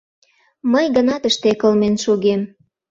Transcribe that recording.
Мый гына тыште кылмен шогем.